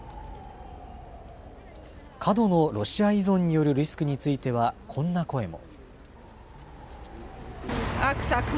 過度のロシア依存によるリスクについては、こんな声も。